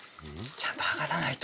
ちゃんと剥がさないと。